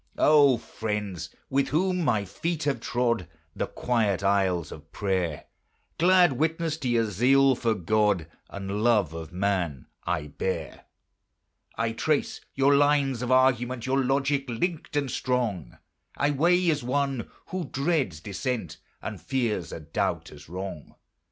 O friends! with whom my feet have trod The quiet aisles of prayer, Glad witness to your zeal for God And love of man I bear. I trace your lines of argument; Your logic linked and strong I weigh as one who dreads dissent, And fears a doubt as wrong.